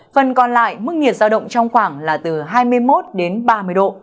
phần còn lại mức nhiệt giao động trong khoảng là từ hai mươi một đến ba mươi độ